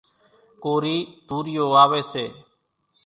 ڪورِي توريئو واويَ سي۔